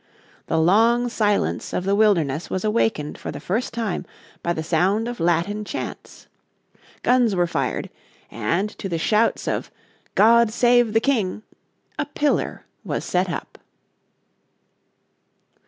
The long silence of the wilderness was awakened for the first time by the sound of Latin chants. Guns were fired, and to the shouts of "God save the King," a pillar was set up.